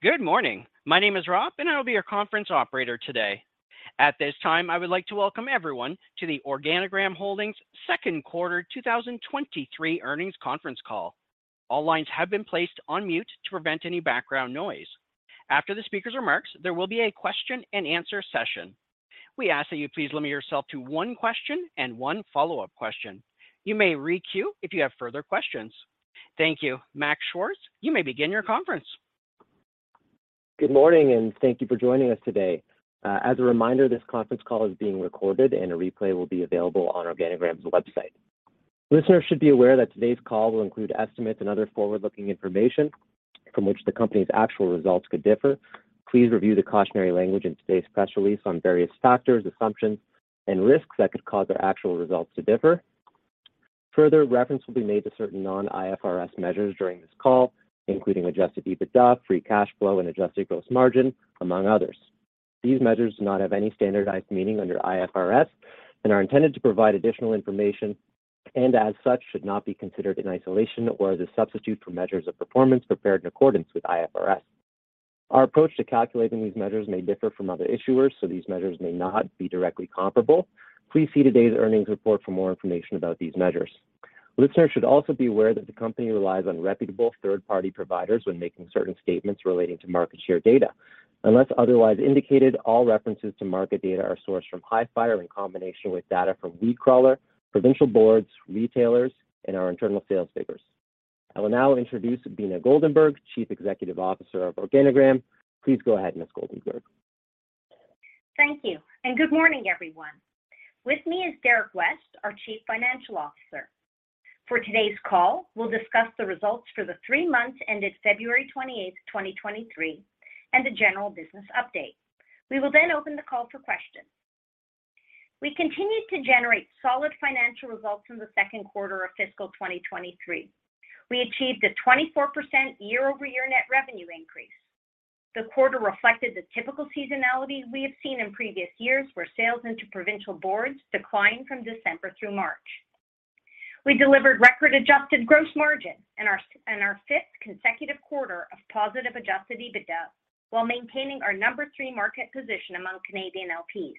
Good morning. My name is Rob, and I will be your conference operator today. At this time, I would like to welcome everyone to the OrganiGram Holdings Second Quarter 2023 Earnings Conference Call. All lines have been placed on mute to prevent any background noise. After the speaker's remarks, there will be a question-and-answer session. We ask that you please limit yourself to one question and one follow-up question. You may re-queue if you have further questions. Thank you. Max Schwartz, you may begin your conference. Good morning, thank you for joining us today. As a reminder, this conference call is being recorded and a replay will be available on OrganiGram's website. Listeners should be aware that today's call will include estimates and other forward-looking information from which the company's actual results could differ. Please review the cautionary language in today's press release on various factors, assumptions, and risks that could cause our actual results to differ. Further reference will be made to certain non-IFRS measures during this call, including adjusted EBITDA, free cash flow, and adjusted gross margin, among others. These measures do not have any standardized meaning under IFRS and are intended to provide additional information, and as such, should not be considered in isolation or as a substitute for measures of performance prepared in accordance with IFRS. Our approach to calculating these measures may differ from other issuers, so these measures may not be directly comparable. Please see today's earnings report for more information about these measures. Listeners should also be aware that the company relies on reputable third-party providers when making certain statements relating to market share data. Unless otherwise indicated, all references to market data are sourced from Hifyre in combination with data from WeedCrawler, provincial boards, retailers, and our internal sales figures. I will now introduce Beena Goldenberg, Chief Executive Officer of OrganiGram. Please go ahead, Ms. Goldenberg. Thank you. Good morning, everyone. With me is Derrick West, our Chief Financial Officer. For today's call, we'll discuss the results for the three months ended February 28th, 2023, and a general business update. We will open the call for questions. We continued to generate solid financial results in the second quarter of fiscal 2023. We achieved a 24% year-over-year net revenue increase. The quarter reflected the typical seasonality we have seen in previous years, where sales into provincial boards decline from December through March. We delivered record-adjusted gross margin and our 5th consecutive quarter of positive adjusted EBITDA while maintaining our number three market position among Canadian LPs.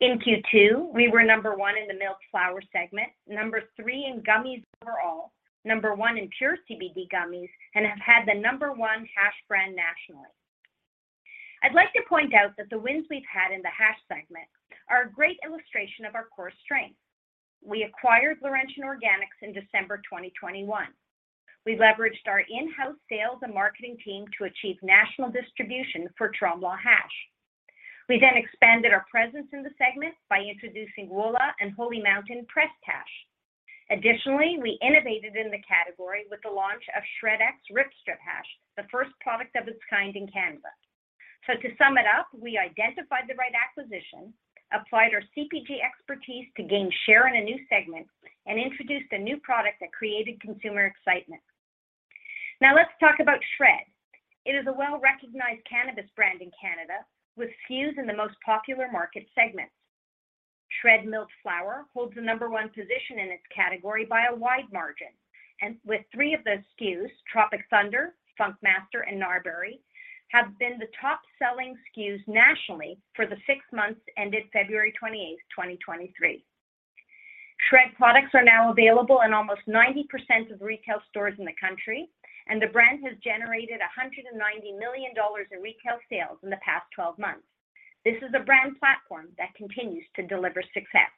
In Q2, we were number one in the milled flower segment, number three in gummies overall, number one in pure CBD gummies, and have had the number one hash brand nationally. I'd like to point out that the wins we've had in the hash segment are a great illustration of our core strength. We acquired Laurentian Organic in December 2021. We leveraged our in-house sales and marketing team to achieve national distribution for Tremblant hash. We expanded our presence in the segment by introducing Wô Lá and HOLY MOUNTAIN pressed hash. Additionally, we innovated in the category with the launch of SHRED X Rip-Strip Hash, the first product of its kind in Canada. To sum it up, we identified the right acquisition, applied our CPG expertise to gain share in a new segment, and introduced a new product that created consumer excitement. Let's talk about SHRED. It is a well-recognized cannabis brand in Canada with SKUs in the most popular market segments. SHRED milled flower holds the number one position in its category by a wide margin, and with three of those SKUs, Tropic Thunder, Funk Master, and Gnarberry, have been the top-selling SKUs nationally for the six months ended February 28th, 2023. SHRED products are now available in almost 90% of retail stores in the country, and the brand has generated 190 million dollars in retail sales in the past 12 months. This is a brand platform that continues to deliver success.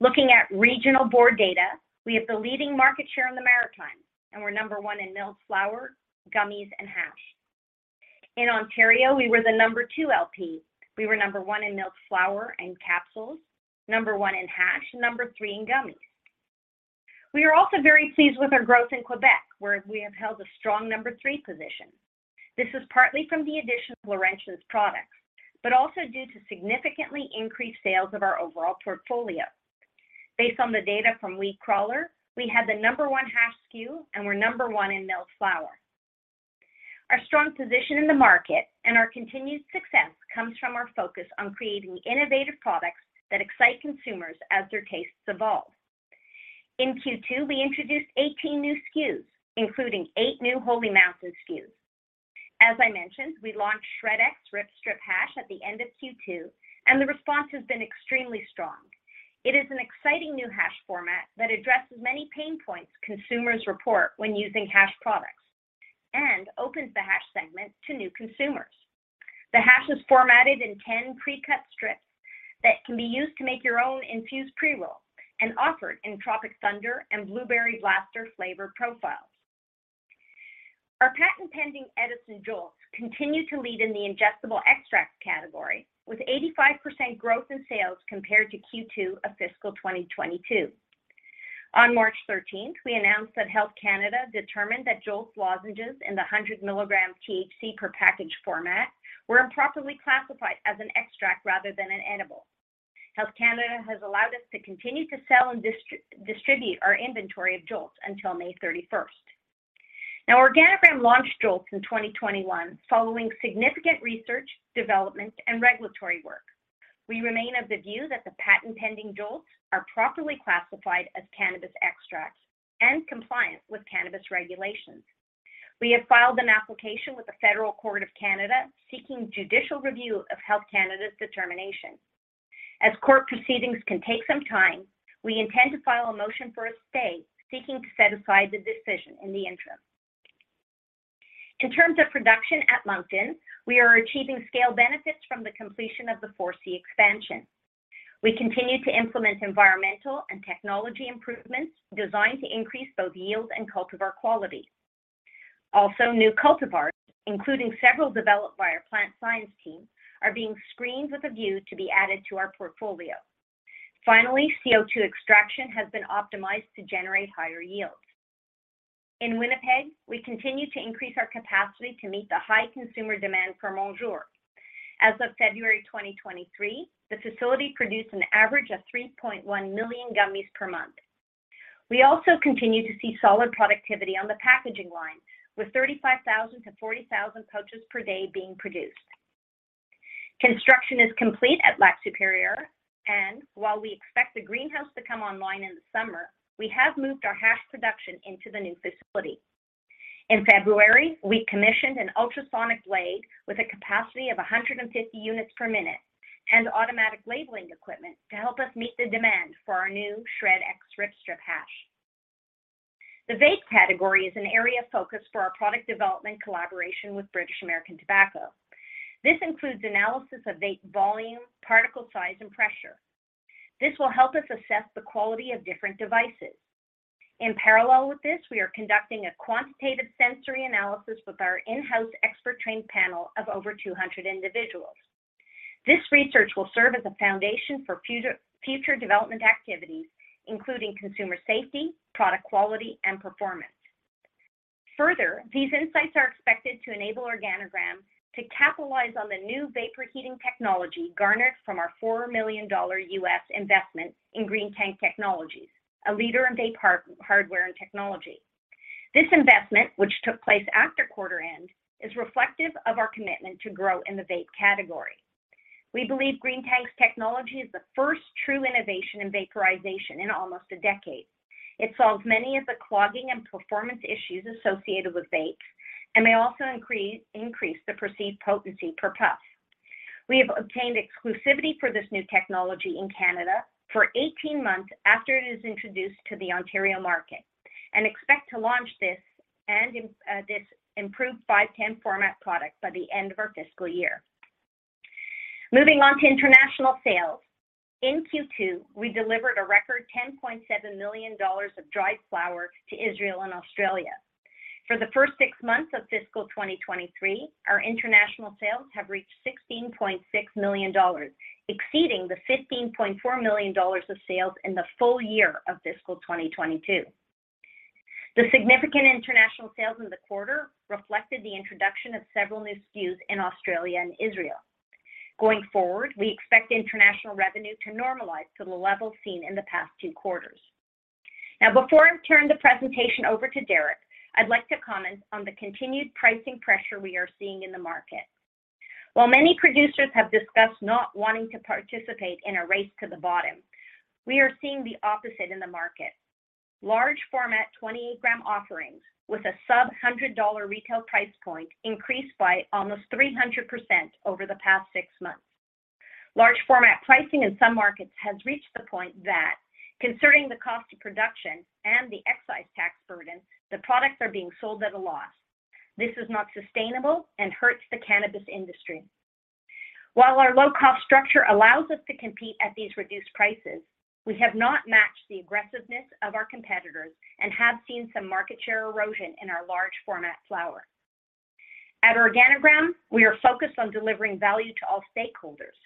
Looking at regional board data, we have the leading market share in the Maritime, and we're number one in milled flower, gummies, and hash. In Ontario, we were the number two LP. We were number one in milled flower and capsules, number one in hash, number three in gummies. We are also very pleased with our growth in Quebec, where we have held a strong number three position. This is partly from the addition of Laurentian's products but also due to significantly increased sales of our overall portfolio. Based on the data from WeedCrawler, we had the number one hash SKU, and we're number one in milled flower. Our strong position in the market and our continued success comes from our focus on creating innovative products that excite consumers as their tastes evolve. In Q2, we introduced 18 new SKUs, including eight new HOLY MOUNTAIN SKUs. As I mentioned, we launched SHRED X Rip-Strip Hash at the end of Q2, and the response has been extremely strong. It is an exciting new hash format that addresses many pain points consumers report when using hash products and opens the hash segment to new consumers. The hash is formatted in 10 pre-cut strips that can be used to make your own infused pre-roll and offered in Tropic Thunder and Blueberry Blaster flavor profiles. Our patent-pending Edison JOLTS continue to lead in the ingestible extract category with 85% growth in sales compared to Q2 of fiscal 2022. On March 13th, we announced that Health Canada determined that JOLTS lozenges in the 100 mg THC per package format were improperly classified as an extract rather than an edible. Health Canada has allowed us to continue to sell and distribute our inventory of JOLTS until May 31st. OrganiGram launched JOLTS in 2021 following significant research, development, and regulatory work. We remain of the view that the patent-pending JOLTS are properly classified as cannabis extracts and compliant with cannabis regulations. We have filed an application with the Federal Court of Canada seeking judicial review of Health Canada's determination. As court proceedings can take some time, we intend to file a motion for a stay seeking to set aside the decision in the interim. In terms of production at Moncton, we are achieving scale benefits from the completion of the 4C expansion. We continue to implement environmental and technology improvements designed to increase both yield and cultivar quality. Also, new cultivars, including several developed by our plant science team, are being screened with a view to be added to our portfolio. Finally, CO2 extraction has been optimized to generate higher yields. In Winnipeg, we continue to increase our capacity to meet the high consumer demand for Monjour. As of February 2023, the facility produced an average of 3.1 million gummies per month. We also continue to see solid productivity on the packaging line, with 35,000 pouches-40,000 pouches per day being produced. Construction is complete at Lac-Supérieur, and while we expect the greenhouse to come online in the summer, we have moved our hash production into the new facility. In February, we commissioned an ultrasonic blade with a capacity of 150 units per minute and automatic labeling equipment to help us meet the demand for our new SHRED X Rip-Strip Hash. The vape category is an area of focus for our product development collaboration with British American Tobacco. This includes analysis of vape volume, particle size, and pressure. This will help us assess the quality of different devices. In parallel with this, we are conducting a quantitative sensory analysis with our in-house expert trained panel of over 200 individuals. This research will serve as a foundation for future development activities, including consumer safety, product quality, and performance. Further, these insights are expected to enable OrganiGram to capitalize on the new vapor heating technology garnered from our $4 million U.S. investment in Greentank Technologies, a leader in vape hardware and technology. This investment, which took place after quarter end, is reflective of our commitment to grow in the vape category. We believe Greentank's technology is the first true innovation in vaporization in almost a decade. It solves many of the clogging and performance issues associated with vapes and may also increase the perceived potency per puff. We have obtained exclusivity for this new technology in Canada for 18 months after it is introduced to the Ontario market and expect to launch this improved 510 format product by the end of our fiscal year. Moving on to international sales. In Q2, we delivered a record 10.7 million dollars of dried flower to Israel and Australia. For the first six months of fiscal 2023, our international sales have reached 16.6 million dollars, exceeding the 15.4 million dollars of sales in the full year of fiscal 2022. The significant international sales in the quarter reflected the introduction of several new SKUs in Australia and Israel. Going forward, we expect international revenue to normalize to the levels seen in the past two quarters. Before I turn the presentation over to Derrick, I'd like to comment on the continued pricing pressure we are seeing in the market. Many producers have discussed not wanting to participate in a race to the bottom, we are seeing the opposite in the market. Large format 28 g offerings with a sub 100 retail price point increased by almost 300% over the past six months. Large format pricing in some markets has reached the point that considering the cost of production and the excise tax burden, the products are being sold at a loss. This is not sustainable and hurts the cannabis industry. While our low-cost structure allows us to compete at these reduced prices, we have not matched the aggressiveness of our competitors and have seen some market share erosion in our large format flower. At OrganiGram, we are focused on delivering value to all stakeholders.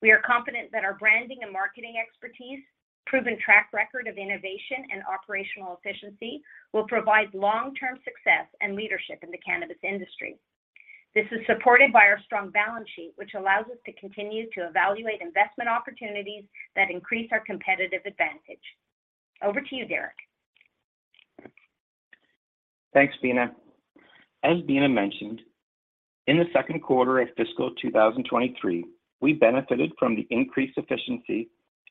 We are confident that our branding and marketing expertise, proven track record of innovation and operational efficiency will provide long-term success and leadership in the cannabis industry. This is supported by our strong balance sheet, which allows us to continue to evaluate investment opportunities that increase our competitive advantage. Over to you, Derrick. Thanks, Beena. As Beena mentioned, in the second quarter of fiscal 2023, we benefited from the increased efficiency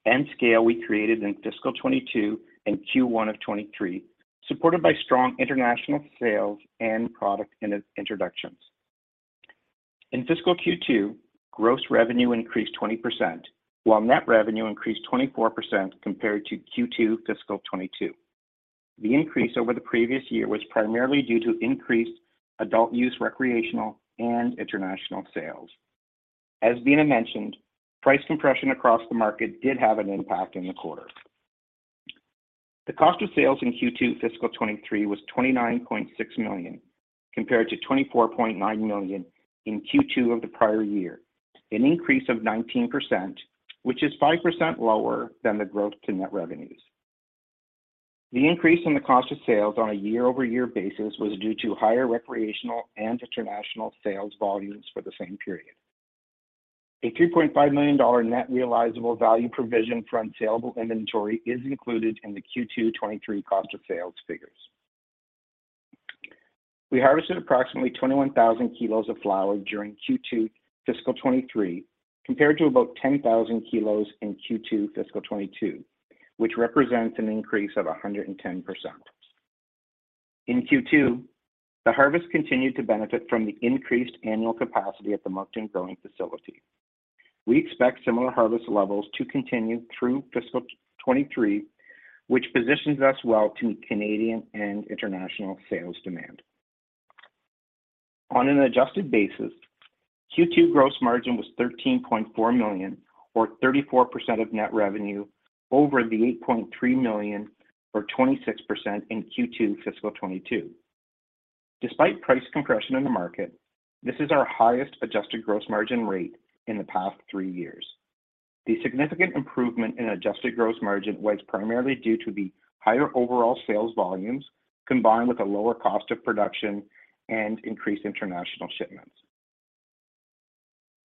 and scale we created in fiscal 2022 and Q1 of 2023, supported by strong international sales and product introductions. In fiscal Q2, gross revenue increased 20%, while net revenue increased 24% compared to Q2 fiscal 2022. The increase over the previous year was primarily due to increased adult use recreational and international sales. As Beena mentioned, price compression across the market did have an impact in the quarter. The cost of sales in Q2 fiscal 2023 was 29.6 million, compared to 24.9 million in Q2 of the prior year, an increase of 19%, which is 5% lower than the growth to net revenues. The increase in the cost of sales on a year-over-year basis was due to higher recreational and international sales volumes for the same period. A 3.5 million dollar net realizable value provision from saleable inventory is included in the Q2 2023 cost of sales figures. We harvested approximately 21,000 kg of flower during Q2 fiscal 2023, compared to about 10,000 kg in Q2 fiscal 2022, which represents an increase of 110%. In Q2, the harvest continued to benefit from the increased annual capacity at the Moncton growing facility. We expect similar harvest levels to continue through fiscal 2023, which positions us well to meet Canadian and international sales demand. On an adjusted basis, Q2 gross margin was 13.4 million or 34% of net revenue over the 8.3 million or 26% in Q2 fiscal 2022. Despite price compression in the market, this is our highest adjusted gross margin rate in the past three years. The significant improvement in adjusted gross margin was primarily due to the higher overall sales volumes, combined with a lower cost of production and increased international shipments.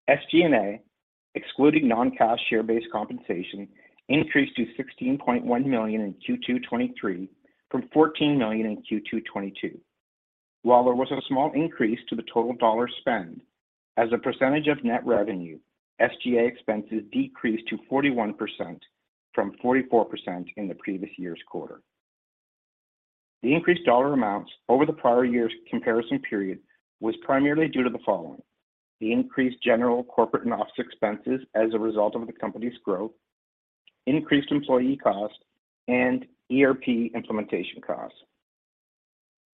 SG&A, excluding non-cash share-based compensation, increased to 16.1 million in Q2 2023 from 14 million in Q2 2022. While there was a small increase to the total dollar spend, as a percentage of net revenue, SGA expenses decreased to 41% from 44% in the previous year's quarter. The increased dollar amounts over the prior year's comparison period was primarily due to the following: the increased general corporate and office expenses as a result of the company's growth, increased employee costs, and ERP implementation costs.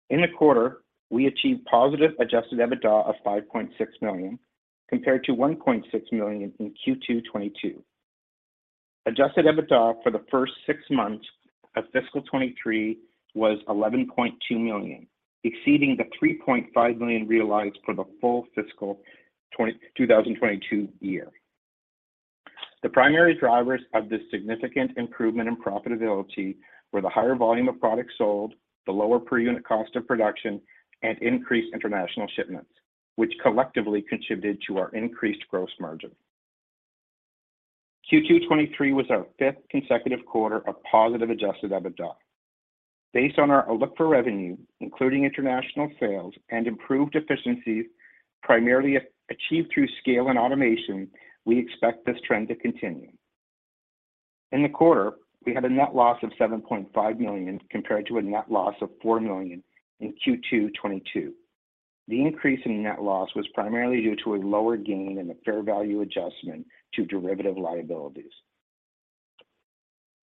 In the quarter, we achieved positive adjusted EBITDA of 5.6 million, compared to 1.6 million in Q2 2022. Adjusted EBITDA for the first six months of fiscal 2023 was 11.2 million, exceeding the 3.5 million realized for the full fiscal 2022 year. The primary drivers of this significant improvement in profitability were the higher volume of products sold, the lower per-unit cost of production, and increased international shipments, which collectively contributed to our increased gross margin. Q2 2023 was our fifth consecutive quarter of positive adjusted EBITDA. Based on our outlook for revenue, including international sales and improved efficiencies primarily achieved through scale and automation, we expect this trend to continue. In the quarter, we had a net loss of 7.5 million, compared to a net loss of 4 million in Q2 2022. The increase in net loss was primarily due to a lower gain in the fair value adjustment to derivative liabilities.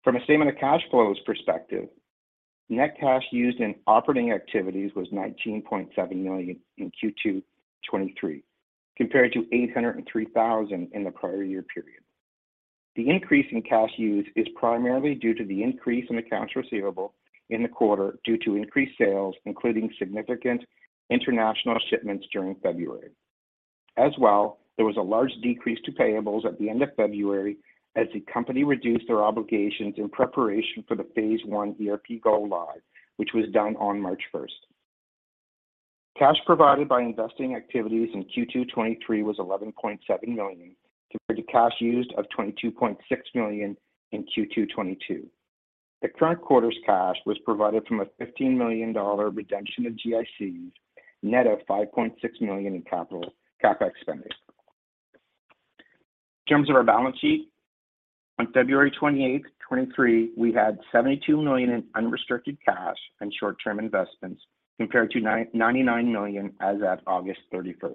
From a statement of cash flows perspective, net cash used in operating activities was 19.7 million in Q2 2023, compared to 803,000 in the prior year period. The increase in cash used is primarily due to the increase in accounts receivable in the quarter due to increased sales, including significant international shipments during February. As well, there was a large decrease to payables at the end of February as the company reduced their obligations in preparation for the Phase 1 ERP Go-Live, which was done on March 1st. Cash provided by investing activities in Q2 2023 was 11.7 million, compared to cash used of 22.6 million in Q2 2022. The current quarter's cash was provided from a 15 million dollar redemption of GICs, net of 5.6 million in CapEx spendings. In terms of our balance sheet, on February 28th, 2023, we had 72 million in unrestricted cash and short-term investments, compared to 99 million as at August 31st.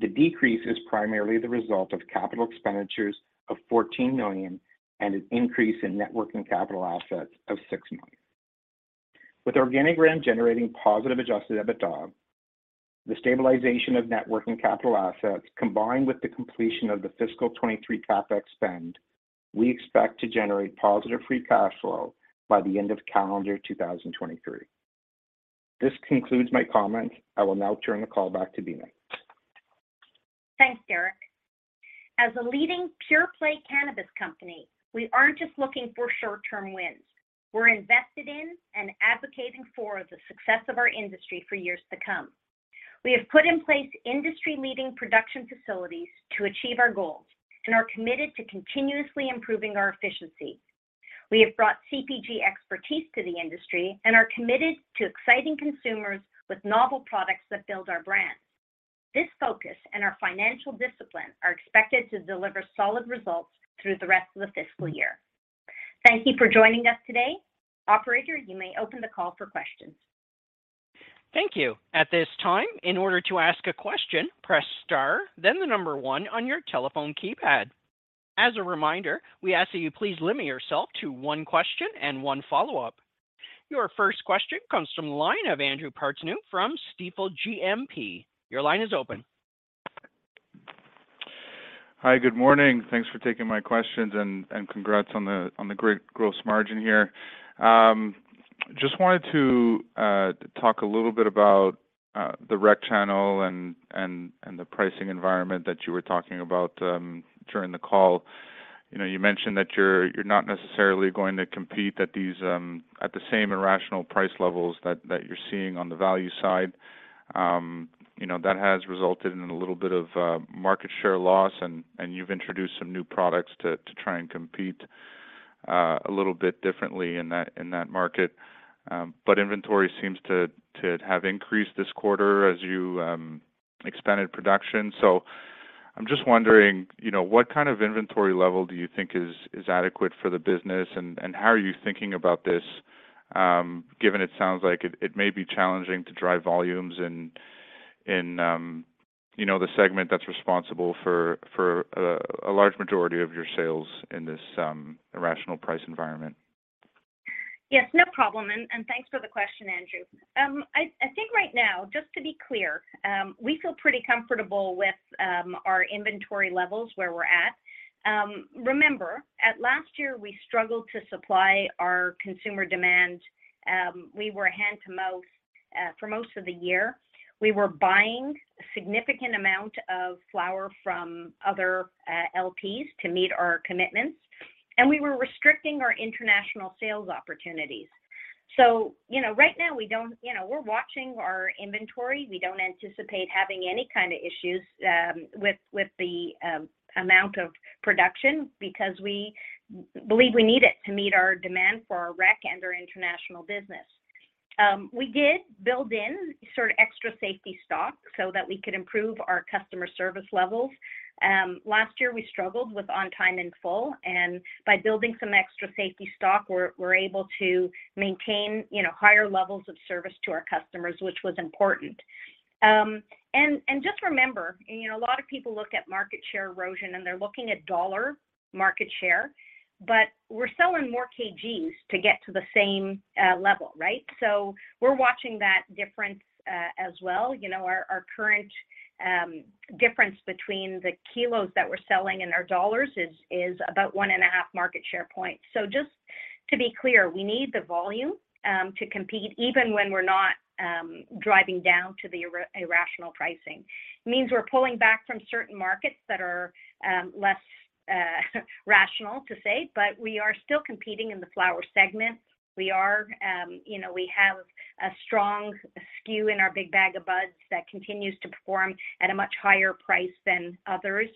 The decrease is primarily the result of capital expenditures of 14 million and an increase in net working capital assets of 6 million. With OrganiGram generating positive adjusted EBITDA, the stabilization of net working capital assets, combined with the completion of the fiscal 2023 CapEx spend, we expect to generate positive free cash flow by the end of calendar 2023. This concludes my comments. I will now turn the call back to Beena. Thanks, Derrick. As a leading pure-play cannabis company, we aren't just looking for short-term wins. We're invested in and advocating for the success of our industry for years to come. We have put in place industry-leading production facilities to achieve our goals and are committed to continuously improving our efficiency. We have brought CPG expertise to the industry and are committed to exciting consumers with novel products that build our brand. This focus and our financial discipline are expected to deliver solid results through the rest of the fiscal year. Thank you for joining us today. Operator, you may open the call for questions. Thank you. At this time, in order to ask a question, press star then the number one on your telephone keypad. As a reminder, we ask that you please limit yourself to one question and one follow-up. Your first question comes from the line of Andrew Partheniou from Stifel GMP. Your line is open. Hi. Good morning. Thanks for taking my questions, and congrats on the great gross margin here. Just wanted to talk a little bit about the rec channel and the pricing environment that you were talking about during the call. You know, you mentioned that you're not necessarily going to compete at these at the same irrational price levels that you're seeing on the value side. You know, that has resulted in a little bit of market share loss and you've introduced some new products to try and compete a little bit differently in that market. Inventory seems to have increased this quarter as you expanded production. I'm just wondering, you know, what kind of inventory level do you think is adequate for the business? How are you thinking about this, given it sounds like it may be challenging to drive volumes in, you know, the segment that's responsible for a large majority of your sales in this irrational price environment? Yes. No problem. Thanks for the question, Andrew. I think right now, just to be clear, we feel pretty comfortable with our inventory levels where we're at. Remember at last year, we struggled to supply our consumer demand. We were hand-to-mouth for most of the year. We were buying significant amount of flower from other LPs to meet our commitments, and we were restricting our international sales opportunities. You know, right now, we're watching our inventory. We don't anticipate having any kind of issues with the amount of production because we believe we need it to meet our demand for our rec and our international business. We did build in sort of extra safety stock so that we could improve our customer service levels. Last year we struggled with On-Time In-Full, and by building some extra safety stock, we're able to maintain, you know, higher levels of service to our customers, which was important. And just remember, and, you know, a lot of people look at market share erosion, and they're looking at dollar market share, but we're selling more kgs to get to the same level, right? We're watching that difference as well. You know, our current difference between the kilos that we're selling and our dollars is about one and a half market share point. Just to be clear, we need the volume to compete even when we're not driving down to the irrational pricing. It means we're pulling back from certain markets that are less rational to say, but we are still competing in the flower segment. We are, you know, we have a strong SKU in our Big Bag o' Buds that continues to perform at a much higher price than others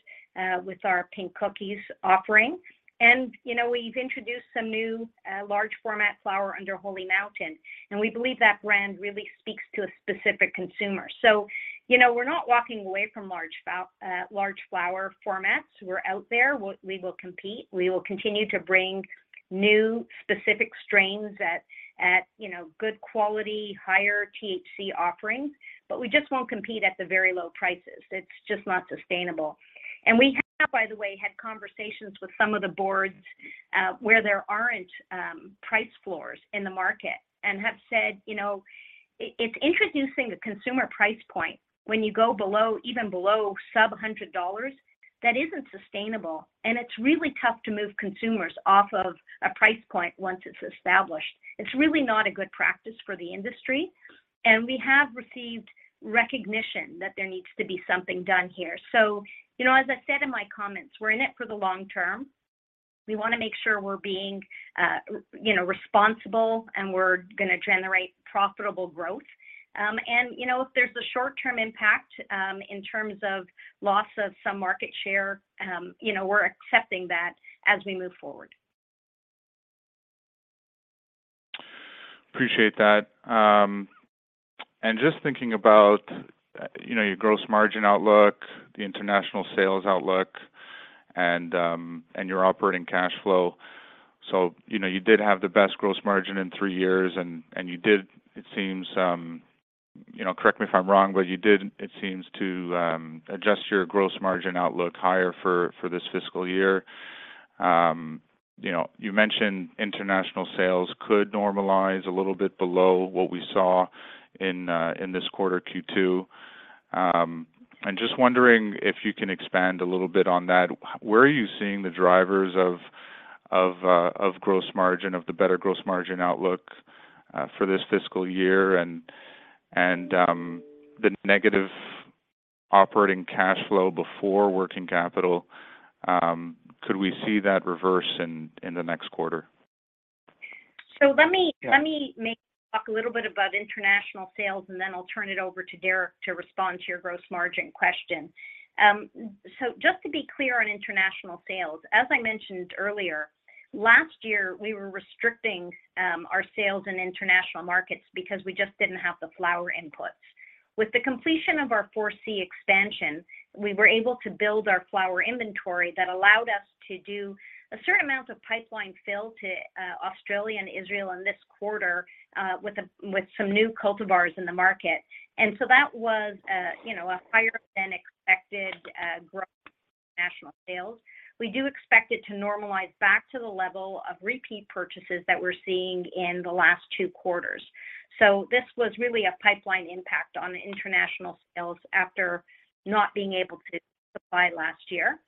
with our Pink Cookies offering. You know, we've introduced some new large format flower under HOLY MOUNTAIN, and we believe that brand really speaks to a specific consumer. You know, we're not walking away from large flower formats. We're out there. We will compete. We will continue to bring new specific strains at, you know, good quality, higher THC offerings, but we just won't compete at the very low prices. It's just not sustainable. We have, by the way, had conversations with some of the boards, where there aren't price floors in the market and have said, you know, it's introducing a consumer price point when you go below, even below sub 100 dollars that isn't sustainable, and it's really tough to move consumers off of a price point once it's established. It's really not a good practice for the industry, and we have received recognition that there needs to be something done here. You know, as I said in my comments, we're in it for the long term. We wanna make sure we're being, you know, responsible and we're gonna generate profitable growth. You know, if there's a short-term impact, in terms of loss of some market share, you know, we're accepting that as we move forward. Appreciate that. Just thinking about, you know, your gross margin outlook, the international sales outlook and your operating cash flow. You know, you did have the best gross margin in three years, and you did, it seems, you know, correct me if I'm wrong, but you did, it seems, to adjust your gross margin outlook higher for this fiscal year. You mentioned international sales could normalize a little bit below what we saw in this quarter, Q2. I'm just wondering if you can expand a little bit on that. Where are you seeing the drivers of gross margin, of the better gross margin outlook for this fiscal year and the negative operating cash flow before working capital? Could we see that reverse in the next quarter? So let me- Yeah. Let me maybe talk a little bit about international sales, and then I'll turn it over to Derrick to respond to your gross margin question. So just to be clear on international sales, as I mentioned earlier, last year we were restricting our sales in international markets because we just didn't have the flower inputs. With the completion of our 4C expansion, we were able to build our flower inventory that allowed us to do a certain amount of pipeline fill to Australia and Israel in this quarter, with some new cultivars in the market. That was, you know, a higher than expected growth in international sales. We do expect it to normalize back to the level of repeat purchases that we're seeing in the last two quarters. This was really a pipeline impact on the international sales after not being able to supply last year.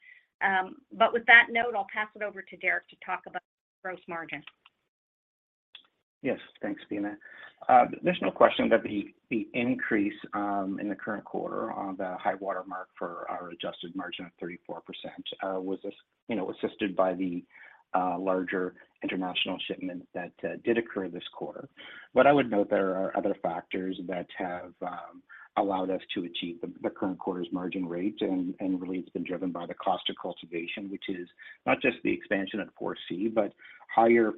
With that note, I'll pass it over to Derrick to talk about gross margin. Yes. Thanks, Beena. There's no question that the increase in the current quarter on the high water mark for our adjusted margin of 34%, was as, you know, assisted by the larger international shipments that did occur this quarter. What I would note, there are other factors that have allowed us to achieve the current quarter's margin rate, and really it's been driven by the cost of cultivation, which is not just the expansion at 4C, but higher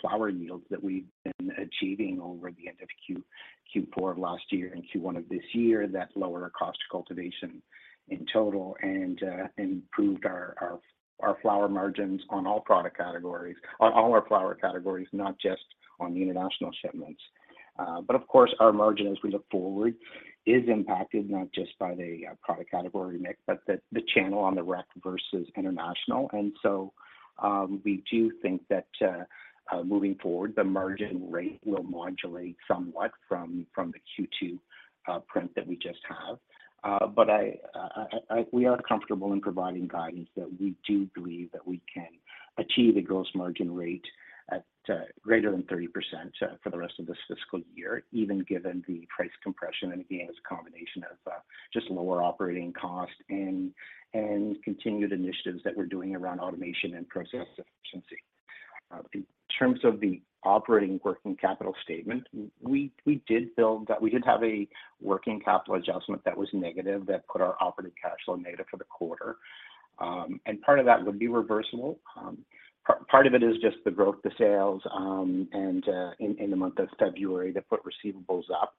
flower yields that we've been achieving over the end of Q4 of last year and Q1 of this year that lower our cost of cultivation in total and improved our flower margins on all product categories, on all our flower categories, not just on the international shipments. Of course, our margin as we look forward is impacted not just by the product category mix, but the channel on the rec versus international. We do think that moving forward, the margin rate will modulate somewhat from the Q2 print that we just have. We are comfortable in providing guidance that we do believe that we can achieve a gross margin rate at greater than 30% for the rest of this fiscal year, even given the price compression, and again, it's a combination of just lower operating cost and continued initiatives that we're doing around automation and process efficiency. In terms of the operating working capital statement, we did build... We did have a working capital adjustment that was negative that put our operating cash flow negative for the quarter. Part of that would be reversible. Part of it is just the growth to sales, in the month of February that put receivables up.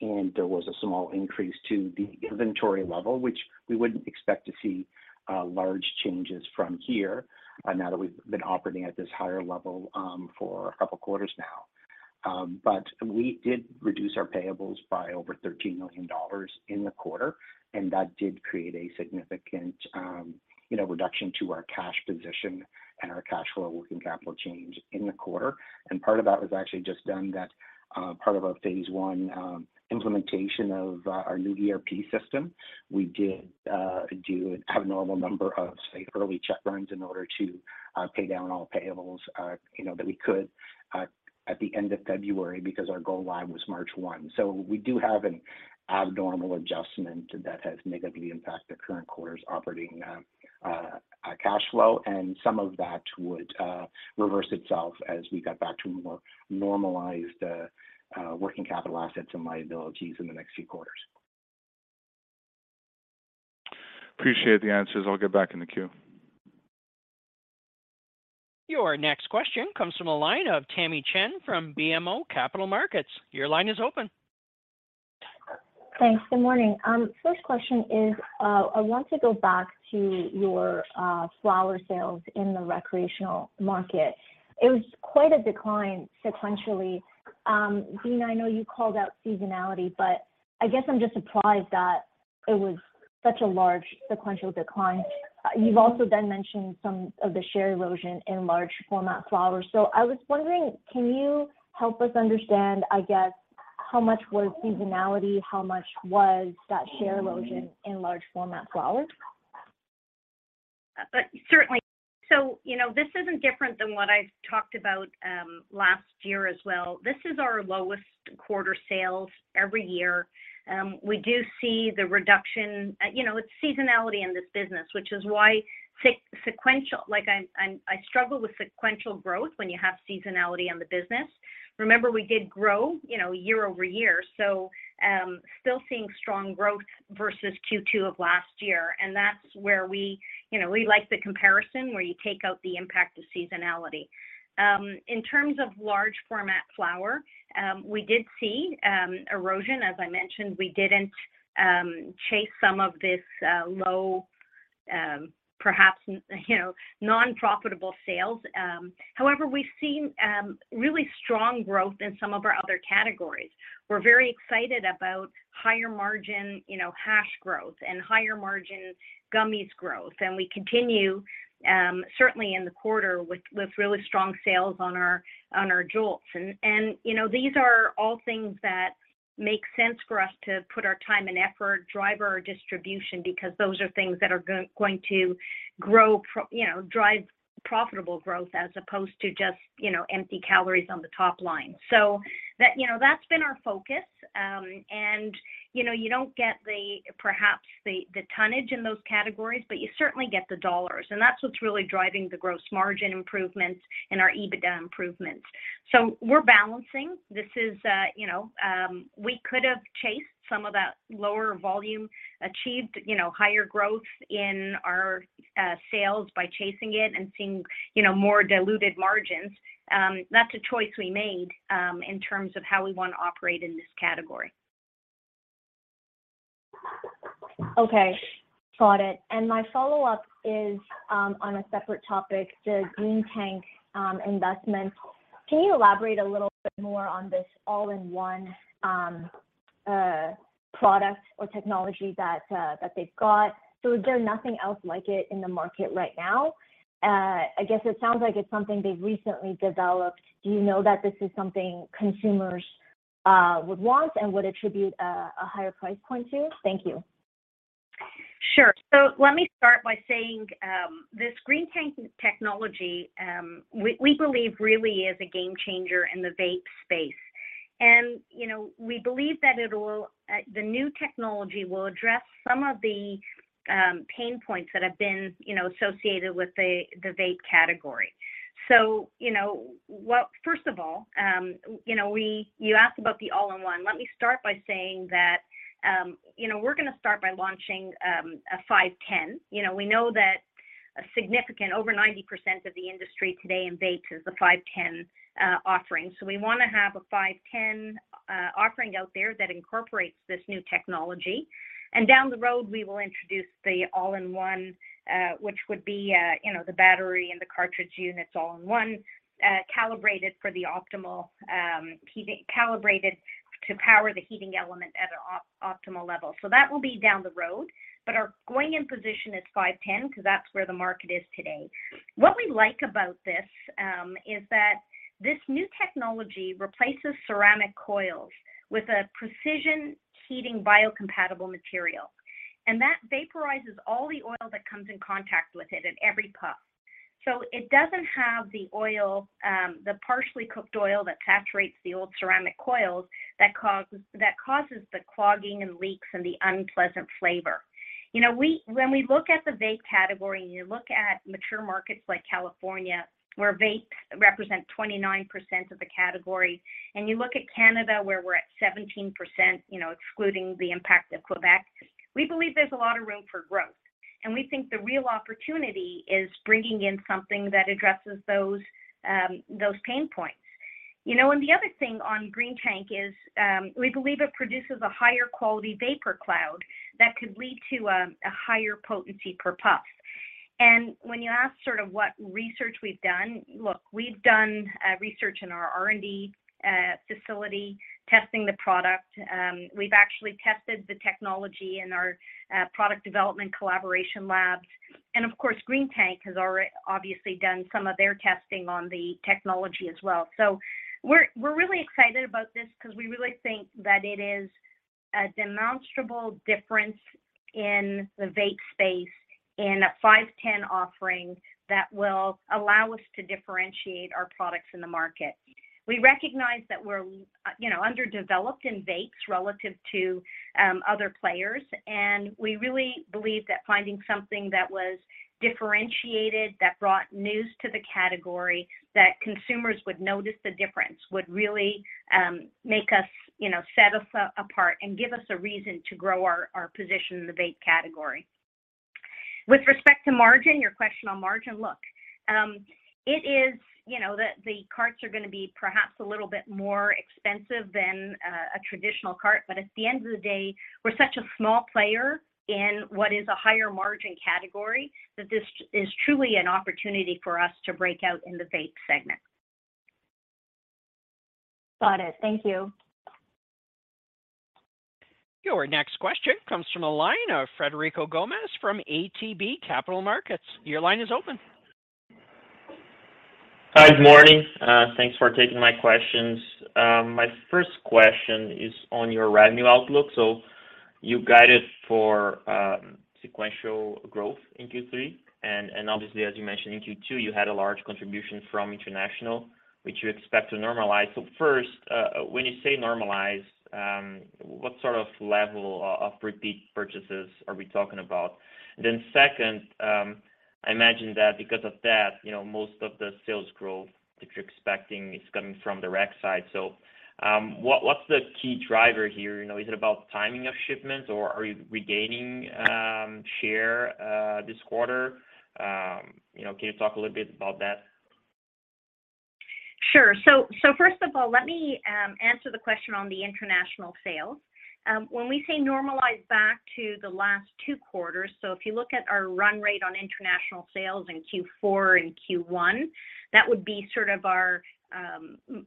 There was a small increase to the inventory level, which we wouldn't expect to see large changes from here, now that we've been operating at this higher level for a couple quarters now. We did reduce our payables by over 13 million dollars in the quarter, and that did create a significant, you know, reduction to our cash position and our cash flow working capital change in the quarter. Part of that was actually just done that, part of our phase one implementation of our new ERP system. We did do an abnormal number of, say, early check runs in order to pay down all payables, you know, that we could at the end of February because our go live was March 1. We do have an abnormal adjustment that has negatively impacted current quarter's operating cash flow, and some of that would reverse itself as we got back to a more normalized working capital assets and liabilities in the next few quarters. Appreciate the answers. I'll get back in the queue. Your next question comes from the line of Tamy Chen from BMO Capital Markets. Your line is open. Thanks. Good morning. First question is, I want to go back to your flower sales in the recreational market. It was quite a decline sequentially. Beena, I know you called out seasonality, but I guess I'm just surprised that it was such a large sequential decline. You've also then mentioned some of the share erosion in large format flowers. I was wondering, can you help us understand, I guess, how much was seasonality, how much was that share erosion in large format flowers? Certainly. You know, this isn't different than what I've talked about last year as well. This is our lowest quarter sales every year. We do see the reduction. You know, it's seasonality in this business, which is why sequential... Like, I struggle with sequential growth when you have seasonality on the business. Remember, we did grow, you know, year-over-year, still seeing strong growth versus Q2 of last year. That's where we, you know, we like the comparison where you take out the impact of seasonality. In terms of large format flower, we did see erosion. As I mentioned, we didn't chase some of this low, perhaps, you know, non-profitable sales. However, we've seen really strong growth in some of our other categories. We're very excited about higher margin, you know, hash growth and higher margin gummies growth. We continue certainly in the quarter with really strong sales on our JOLTS. You know, these are all things that make sense for us to put our time and effort, drive our distribution, because those are things that are going to grow. You know, drive profitable growth as opposed to just, you know, empty calories on the top line. That, you know, that's been our focus. You know, you don't get the, perhaps the tonnage in those categories, but you certainly get the dollars, and that's what's really driving the gross margin improvements and our EBITDA improvements. We're balancing. This is, you know, we could have chased some of that lower volume, achieved, you know, higher growth in our sales by chasing it and seeing, you know, more diluted margins. That's a choice we made, in terms of how we wanna operate in this category. Okay. Got it. My follow-up is on a separate topic, the Greentank investment. Can you elaborate a little bit more on this all-in-one product or technology that they've got? Is there nothing else like it in the market right now? I guess it sounds like it's something they've recently developed. Do you know that this is something consumers would want and would attribute a higher price point to? Thank you. Sure. Let me start by saying, this Greentank technology, we believe really is a game changer in the vape space. You know, we believe that it will, the new technology will address some of the pain points that have been, you know, associated with the vape category. You know, well, first of all, you asked about the all-in-one. Let me start by saying that, you know, we're gonna start by launching a 510. You know, we know that a significant, over 90% of the industry today in vapes is the 510 offering. We wanna have a 510 offering out there that incorporates this new technology. Down the road, we will introduce the all-in-one, you know, the battery and the cartridge units all in one, calibrated for the optimal, calibrated to power the heating element at an optimal level. That will be down the road. Our going in position is 510 'cause that's where the market is today. What we like about this is that this new technology replaces ceramic coils with a precision heating biocompatible material. That vaporizes all the oil that comes in contact with it at every puff. It doesn't have the oil, the partially cooked oil that saturates the old ceramic coils that causes the clogging and leaks and the unpleasant flavor. You know, when we look at the vape category and you look at mature markets like California, where vapes represent 29% of the category, and you look at Canada, where we're at 17%, you know, excluding the impact of Quebec, we believe there's a lot of room for growth. We think the real opportunity is bringing in something that addresses those pain points. You know, the other thing on Greentank is, we believe it produces a higher quality vapor cloud that could lead to a higher potency per puff. When you ask sort of what research we've done, look, we've done research in our R&D facility, testing the product. We've actually tested the technology in our product development collaboration labs. Of course, Greentank has obviously done some of their testing on the technology as well. We're really excited about this because we really think that it is a demonstrable difference in the vape space and a 510 offering that will allow us to differentiate our products in the market. We recognize that we're, you know, underdeveloped in vapes relative to other players. We really believe that finding something that was differentiated, that brought news to the category, that consumers would notice the difference, would really make us, you know, set us apart and give us a reason to grow our position in the vape category. With respect to margin, your question on margin, look, it is, you know, the carts are gonna be perhaps a little bit more expensive than a traditional cart, but at the end of the day, we're such a small player in what is a higher margin category that this is truly an opportunity for us to break out in the vape segment. Got it. Thank you. Your next question comes from the line of Frederico Gomes from ATB Capital Markets. Your line is open. Hi, good morning. Thanks for taking my questions. My first question is on your revenue outlook. You guided for sequential growth in Q3. Obviously, as you mentioned in Q2, you had a large contribution from international, which you expect to normalize. First, when you say normalize, what sort of level of repeat purchases are we talking about? Second, I imagine that because of that, you know, most of the sales growth that you're expecting is coming from the rec side. What's the key driver here? You know, is it about timing of shipments, or are you regaining share this quarter? You know, can you talk a little bit about that? Sure. First of all, let me answer the question on the international sales. When we say normalize back to the last two quarters, so if you look at our run rate on international sales in Q4 and Q1, that would be sort of our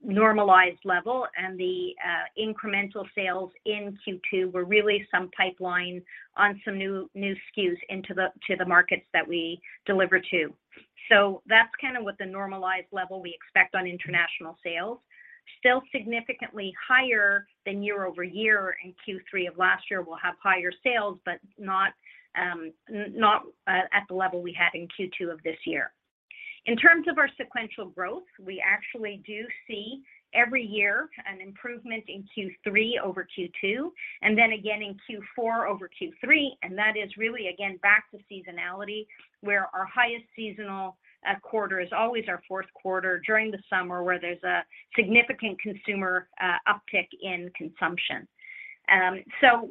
normalized level. The incremental sales in Q2 were really some pipeline on some new SKUs into the markets that we deliver to. That's kind of what the normalized level we expect on international sales. Still significantly higher than year-over-year, and Q3 of last year will have higher sales, but not at the level we had in Q2 of this year. In terms of our sequential growth, we actually do see every year an improvement in Q3 over Q2, and then again in Q4 over Q3, and that is really again back to seasonality, where our highest seasonal quarter is always our fourth quarter during the summer, where there's a significant consumer uptick in consumption.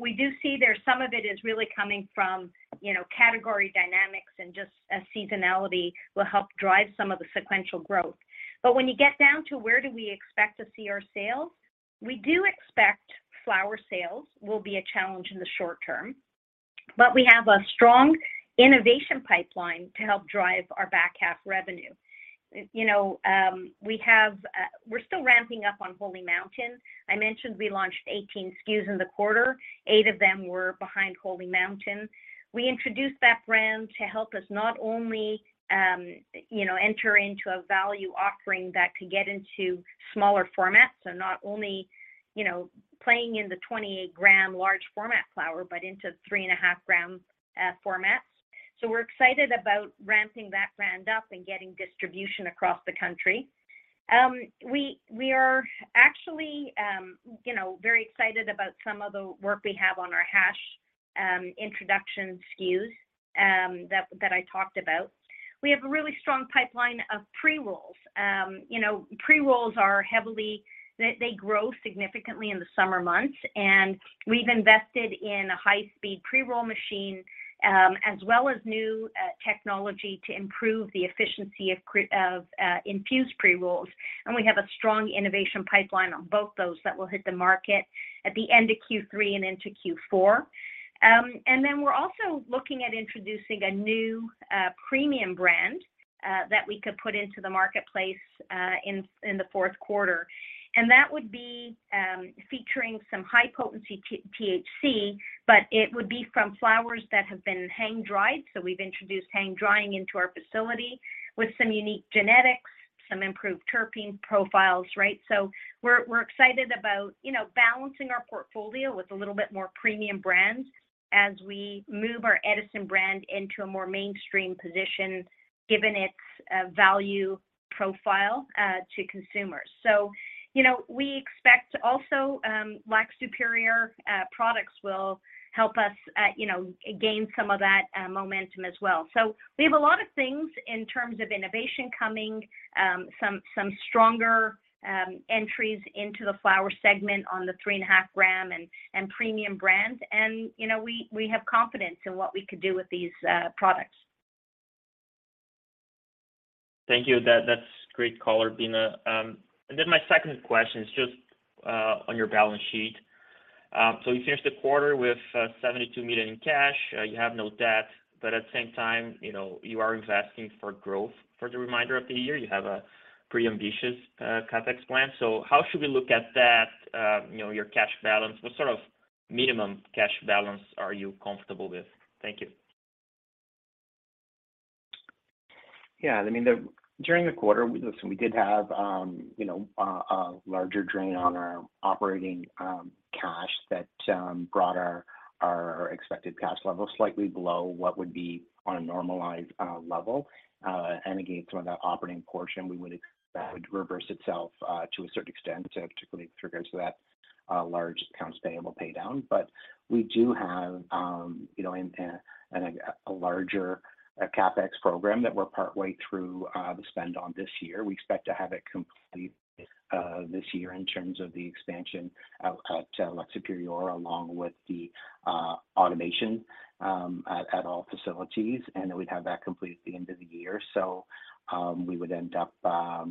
We do see there some of it is really coming from, you know, category dynamics and just seasonality will help drive some of the sequential growth. When you get down to where do we expect to see our sales, we do expect flower sales will be a challenge in the short term, but we have a strong innovation pipeline to help drive our back half revenue. You know, we're still ramping up on HOLY MOUNTAIN. I mentioned we launched 18 SKUs in the quarter. Eight of them were behind HOLY MOUNTAIN. We introduced that brand to help us not only, you know, enter into a value offering that could get into smaller formats. Not only, you know, playing in the 28 g large format flower, but into 3.5 g formats. We're excited about ramping that brand up and getting distribution across the country. We are actually, you know, very excited about some of the work we have on our hash introduction SKUs that I talked about. We have a really strong pipeline of pre-rolls. You know, pre-rolls are heavily. They grow significantly in the summer months, and we've invested in a high-speed pre-roll machine, as well as new technology to improve the efficiency of infused pre-rolls. We have a strong innovation pipeline on both those that will hit the market at the end of Q3 and into Q4. We're also looking at introducing a new premium brand that we could put into the marketplace in the fourth quarter. That would be featuring some high-potency THC, but it would be from flowers that have been hang-dried, so we've introduced hang-drying into our facility with some unique genetics, some improved terpene profiles, right? We're excited about, you know, balancing our portfolio with a little bit more premium brands as we move our Edison brand into a more mainstream position given its value profile to consumers. You know, we expect also, Lac Supérieur products will help us, you know, gain some of that momentum as well. We have a lot of things in terms of innovation coming, some stronger entries into the flower segment on the three and a half gram and premium brands and, you know, we have confidence in what we could do with these products. Thank you. That's great color, Beena. Then my second question is just on your balance sheet. You finished the quarter with 72 million in cash. You have no debt, at the same time, you know, you are investing for growth for the remainder of the year. You have a pretty ambitious CapEx plan. How should we look at that, you know, your cash balance? What sort of minimum cash balance are you comfortable with? Thank you. Yeah. I mean, during the quarter, listen, we did have, you know, a larger drain on our operating cash that brought our expected cash levels slightly below what would be on a normalized level. Again, some of that operating portion, we would reverse itself to a certain extent, particularly with regards to that large accounts payable pay down. We do have, you know, in a larger CapEx program that we're partway through the spend on this year. We expect to have it complete this year in terms of the expansion out at Lac Supérieur along with the automation at all facilities, and then we'd have that complete at the end of the year. We would end up,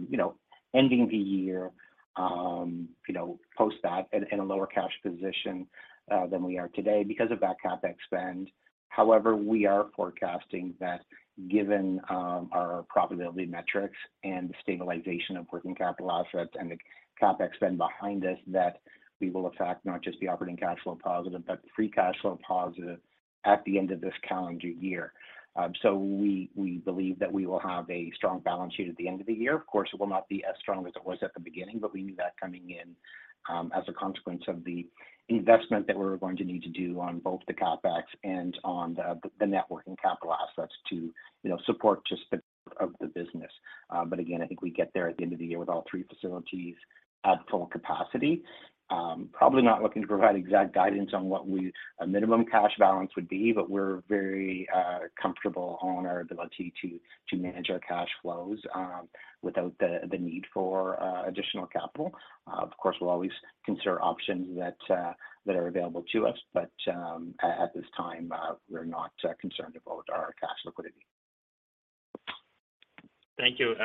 you know, ending the year, you know, post that in a lower cash position than we are today because of that CapEx spend. However, we are forecasting that given our profitability metrics and the stabilization of working capital assets and the CapEx spend behind us, that we will in fact not just be operating cash flow positive, but free cash flow positive at the end of this calendar year. We, we believe that we will have a strong balance sheet at the end of the year. Of course, it will not be as strong as it was at the beginning, but we knew that coming in, as a consequence of the investment that we're going to need to do on both the CapEx and on the net working capital assets to, you know, support just of the business. Again, I think we get there at the end of the year with all three facilities at full capacity. Probably not looking to provide exact guidance on what we a minimum cash balance would be, but we're very comfortable on our ability to manage our cash flows without the need for additional capital. Of course, we'll always consider options that are available to us, but at this time, we're not concerned about our cash liquidity. Thank you.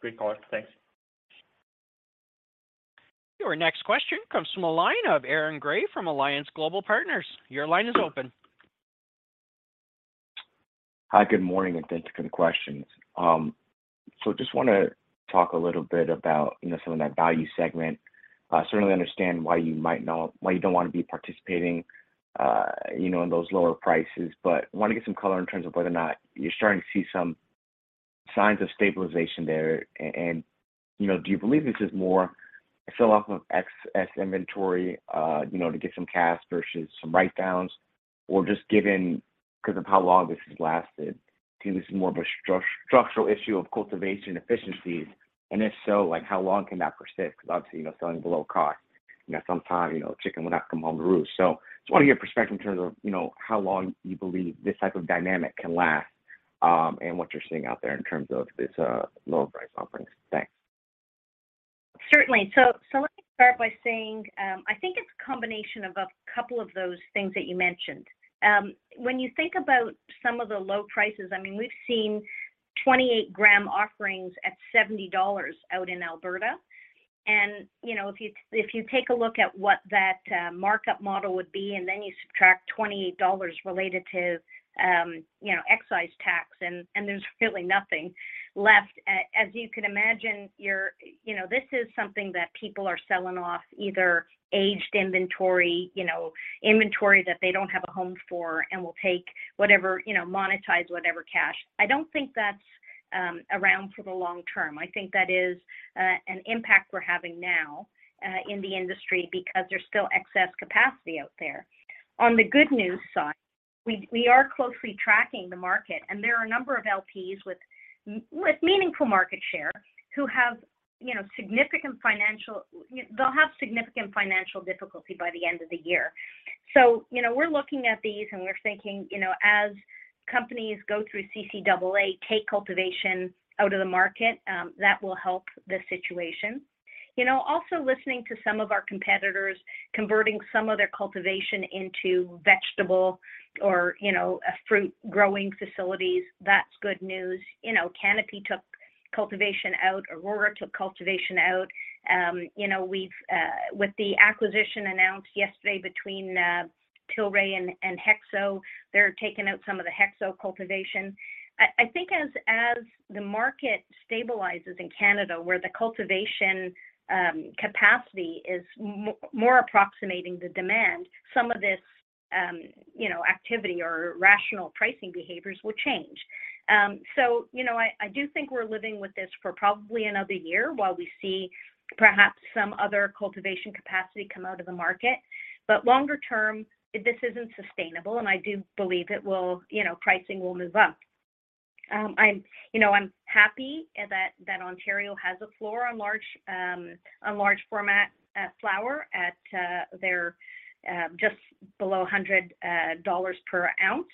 great color. Thanks. Your next question comes from the line of Aaron Grey from Alliance Global Partners. Your line is open. Hi, good morning. Thanks for the questions. Just wanna talk a little bit about, you know, some of that value segment. Certainly understand why you don't wanna be participating, you know, in those lower prices. Wanna get some color in terms of whether or not you're starting to see some signs of stabilization there. You know, do you believe this is more a sell-off of excess inventory, you know, to get some cash versus some write downs? Just given because of how long this has lasted, do you think this is more of a structural issue of cultivation efficiencies? If so, like, how long can that persist? Because obviously, you know, selling below cost, you know, sometimes, you know, chicken would have to come home to roost. Just want to get your perspective in terms of, you know, how long you believe this type of dynamic can last, and what you're seeing out there in terms of this lower price offerings. Thanks. Certainly. Let me start by saying, I think it's a combination of a couple of those things that you mentioned. When you think about some of the low prices, I mean, we've seen 28 g offerings at 70 dollars out in Alberta. You know, if you, if you take a look at what that markup model would be, and then you subtract 28 dollars related to, you know, excise tax and there's really nothing left. As you can imagine, you're, you know, this is something that people are selling off, either aged inventory, you know, inventory that they don't have a home for and will take whatever, you know, monetize whatever cash. I don't think that's around for the long term. I think that is an impact we're having now in the industry because there's still excess capacity out there. On the good news side, we are closely tracking the market, and there are a number of LPs with meaningful market share who have, you know, significant financial difficulty by the end of the year. We're looking at these, and we're thinking, you know, as companies go through CCAA, take cultivation out of the market, that will help the situation. Also listening to some of our competitors converting some of their cultivation into vegetable or, you know, a fruit-growing facilities, that's good news. Canopy took cultivation out, Aurora took cultivation out. Um, you know, we've, uh, with the acquisition announced yesterday between, uh, Tilray and HEXO, they're taking out some of the HEXO cultivation. I, I think as, as the market stabilizes in Canada, where the cultivation, um, capacity is m-more approximating the demand, some of this, um, you know, activity or rational pricing behaviors will change. Um, so, you know, I, I do think we're living with this for probably another year while we see perhaps some other cultivation capacity come out of the market. But longer term, this isn't sustainable, and I do believe it will... You know, pricing will move up. Um, I'm, you know, I'm happy, uh, that, that Ontario has a floor on large, um, on large format, uh, flower at, uh, their, uh, just below hundred, uh, dollars per ounce.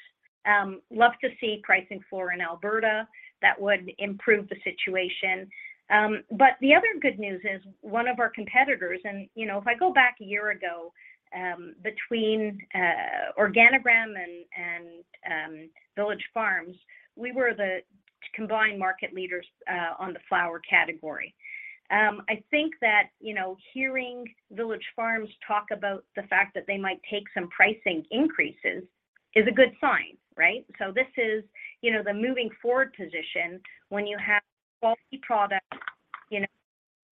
Um, love to see pricing floor in Alberta. That would improve the situation. Th`e other good news is one of our competitors, and, you know, if I go back a year ago, between OrganiGram and Village Farms, we were the combined market leaders on the flower category. I think that, you know, hearing Village Farms talk about the fact that they might take some pricing increases is a good sign, right? This is, you know, the moving forward position when you have quality product, you know,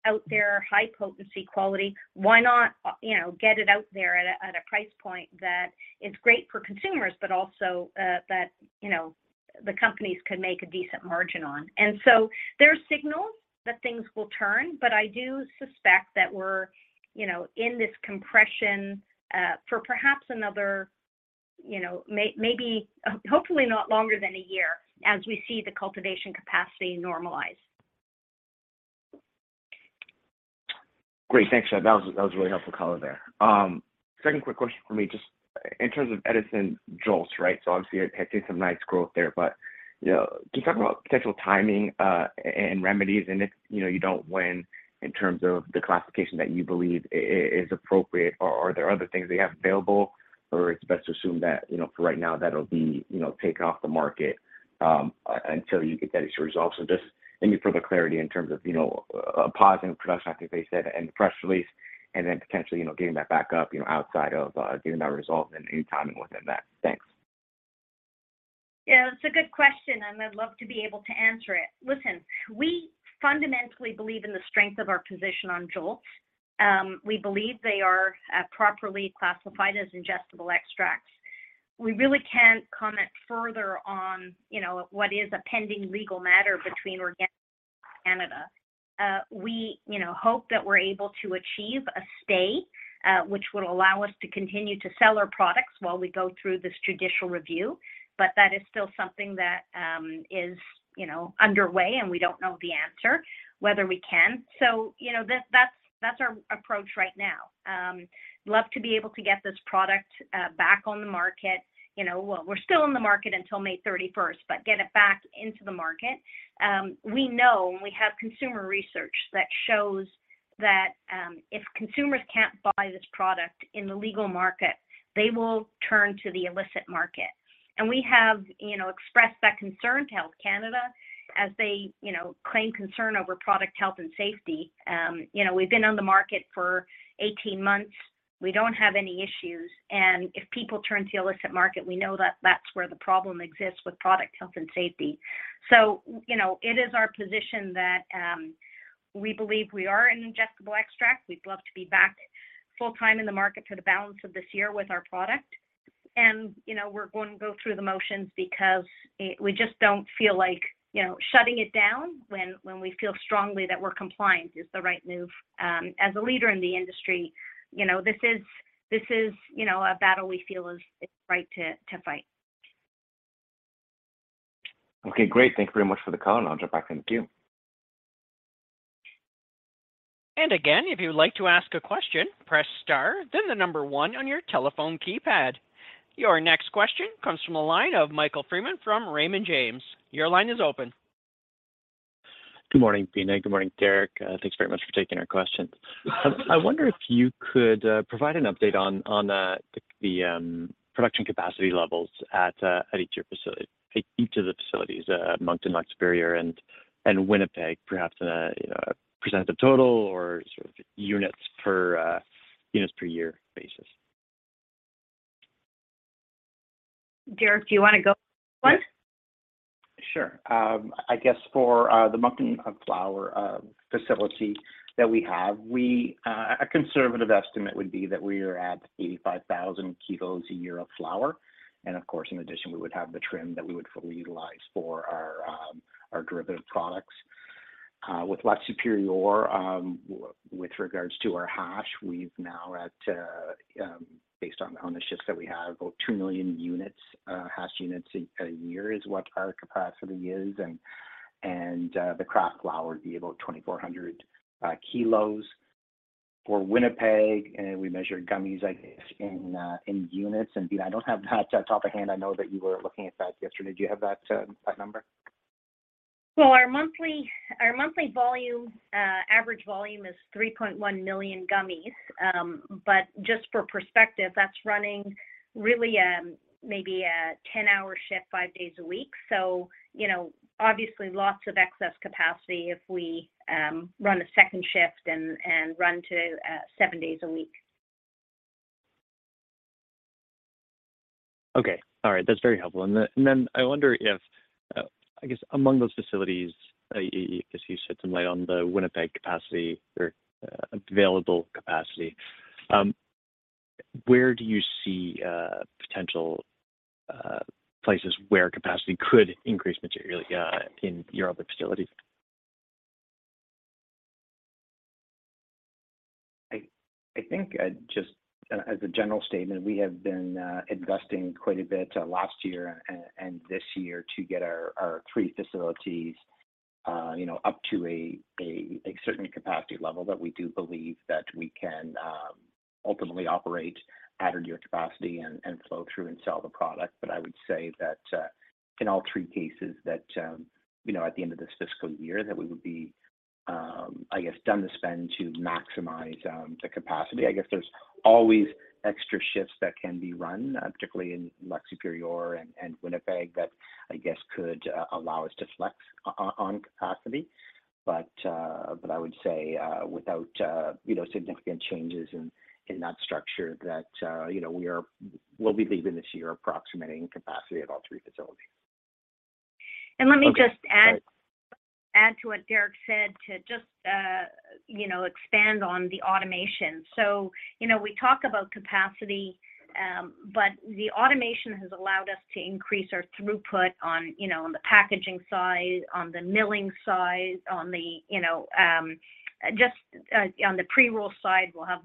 out there, high potency quality. Why not, you know, get it out there at a price point that is great for consumers, but also, that, you know, the companies could make a decent margin on? There are signals that things will turn, but I do suspect that we're, you know, in this compression, for perhaps another, you know, maybe, hopefully not longer than a year as we see the cultivation capacity normalize. Great. Thanks for that. That was a really helpful color there. Second quick question for me, just in terms of Edison JOLTS, right? Obviously you're taking some nice growth there. You know, can you talk about potential timing, and remedies, and if, you know, you don't win in terms of the classification that you believe is appropriate, are there other things they have available, or it's best to assume that, you know, for right now, that'll be, you know, taken off the market, until you get Edison's results? Just any further clarity in terms of, you know, pausing production, I think they said in the press release, and then potentially, you know, getting that back up, you know, outside of getting that result and any timing within that? Thanks. Yeah, that's a good question, and I'd love to be able to answer it. Listen, we fundamentally believe in the strength of our position on JOLTS. We believe they are properly classified as ingestible extracts. We really can't comment further on, you know, what is a pending legal matter between OrganiGram and Health Canada. We, you know, hope that we're able to achieve a stay, which would allow us to continue to sell our products while we go through this judicial review. That is still something that is, you know, underway, and we don't know the answer, whether we can. You know, that's our approach right now. Love to be able to get this product back on the market. You know, well, we're still in the market until May 31st, but get it back into the market. We know and we have consumer research that shows that, if consumers can't buy this product in the legal market, they will turn to the illicit market. We have, you know, expressed that concern to Health Canada as they, you know, claim concern over product health and safety. You know, we've been on the market for 18 months. We don't have any issues, and if people turn to the illicit market, we know that that's where the problem exists with product health and safety. You know, it is our position that, we believe we are an ingestible extract. We'd love to be back full time in the market for the balance of this year with our product. You know, we're going to go through the motions because we just don't feel like, you know, shutting it down when we feel strongly that we're compliant is the right move. As a leader in the industry, you know, this is, you know, a battle we feel is right to fight. Okay. Great. Thank you very much for the call. I'll drop back in the queue. Again, if you would like to ask a question, press star then the number one on your telephone keypad. Your next question comes from the line of Michael Freeman from Raymond James. Your line is open. Good morning, Beena. Good morning, Derrick. Thanks very much for taking our questions. I wonder if you could provide an update on the production capacity levels at each of your facilities, Moncton, Lac Supérieur, and Winnipeg, perhaps in a, you know, a percent of total or sort of units per year basis. Derrick, do you wanna go first? Sure. I guess for the Moncton flower facility that we have, a conservative estimate would be that we are at 85,000 kilos a year of flower. Of course, in addition, we would have the trim that we would fully utilize for our derivative products. With Lac-Supérieur, with regards to our hash, we've now at, based on the shifts that we have, about 2 million units hash units a year is what our capacity is. The craft flower would be about 2,400 kg. For Winnipeg, we measure gummies, I guess, in units. Beena, I don't have that off the hand. I know that you were looking at that yesterday. Do you have that number? Well, our monthly volume, average volume is 3.1 million gummies. Just for perspective, that's running really, maybe a 10-hour shift five days a week. You know, obviously lots of excess capacity if we run a second shift and run to seven days a week. Okay. All right. That's very helpful. I wonder if I guess among those facilities, I guess you shed some light on the Winnipeg capacity or available capacity, where do you see potential places where capacity could increase materially in your other facilities? I think, just as a general statement, we have been investing quite a bit last year and this year to get our three facilities, you know, up to a certain capacity level that we do believe that we can ultimately operate at or near capacity and flow through and sell the product. I would say that, in all three cases that, you know, at the end of this fiscal year, that we would be, I guess, done the spend to maximize the capacity. I guess there's always extra shifts that can be run, particularly in Lac Superieur and Winnipeg that I guess could allow us to flex on capacity. I would say, without, you know, significant changes in that structure that, you know, we'll be leaving this year approximating capacity at all three facilities. And let me just- Okay. Great add to what Derrick said to just, you know, expand on the automation. You know, we talk about capacity, but the automation has allowed us to increase our throughput on, you know, on the packaging side, on the milling side, on the, you know, just on the pre-roll side, we'll have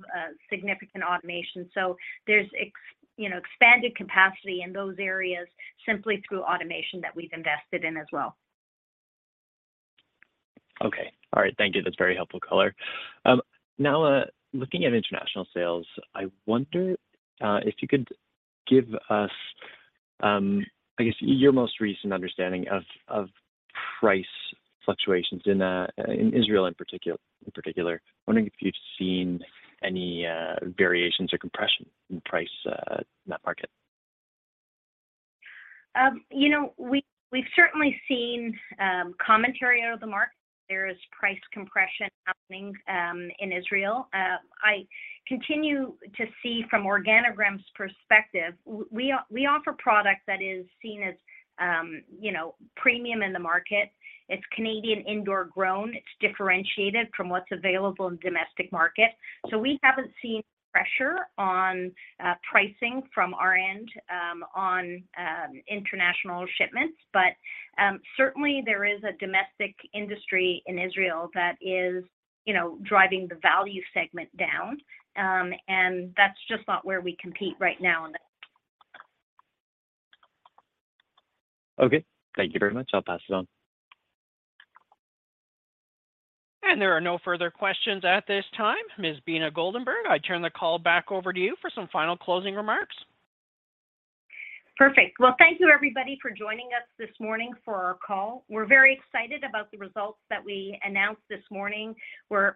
significant automation. There's, you know, expanded capacity in those areas simply through automation that we've invested in as well. Okay. All right. Thank you. That's a very helpful color. Now, looking at international sales, I wonder if you could give us, I guess, your most recent understanding of price fluctuations in Israel in particular. Wondering if you've seen any variations or compression in price in that market. You know, we've certainly seen commentary out of the market. There is price compression happening in Israel. I continue to see from OrganiGram's perspective, we offer product that is seen as, you know, premium in the market. It's Canadian indoor grown. It's differentiated from what's available in domestic market. We haven't seen pressure on pricing from our end on international shipments. Certainly there is a domestic industry in Israel that is, you know, driving the value segment down. That's just not where we compete right now in the. Okay. Thank you very much. I'll pass it on. There are no further questions at this time. Ms. Beena Goldenberg, I turn the call back over to you for some final closing remarks. Perfect. Well, thank you, everybody, for joining us this morning for our call. We're very excited about the results that we announced this morning. We're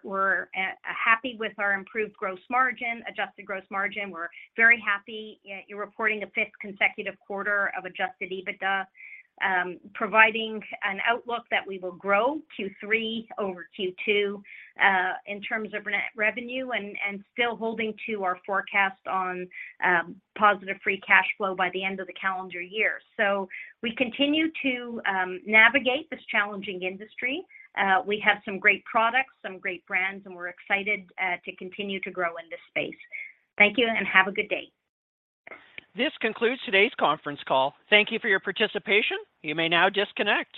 happy with our improved gross margin, adjusted gross margin. We're very happy in reporting a fifth consecutive quarter of adjusted EBITDA, providing an outlook that we will grow Q3 over Q2 in terms of net revenue and still holding to our forecast on positive free cash flow by the end of the calendar year. We continue to navigate this challenging industry. We have some great products, some great brands, and we're excited to continue to grow in this space. Thank you, and have a good day. This concludes today's conference call. Thank you for your participation. You may now disconnect.